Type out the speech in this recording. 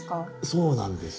そうなんです。